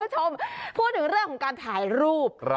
คุณผู้ชมพูดถึงเรื่องของการถ่ายรูป